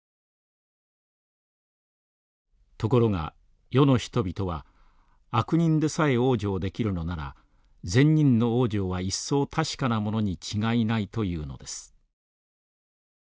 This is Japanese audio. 「ところが世の人々は悪人でさえ往生できるのなら善人の往生は一層確かなものに違いないと言うのです」。